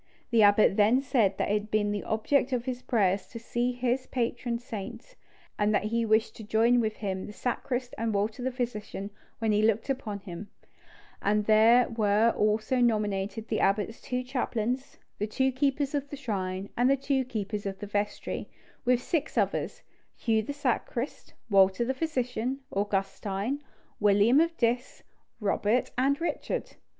The abbot then said that it had been the object of his prayers to see his patron saint, and that he wished to join with him the sacrist and Walter the physician when he looked upon him; and there were also nominated the abbot's two chaplains, the two keepers of the shrine, and the two keepers of the vestry, with six others, Hugh the sacrist, Walter the physician, Augustine, William of Diss, Robert and Richard.